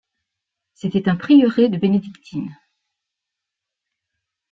C’était un prieuré de Bénédictines.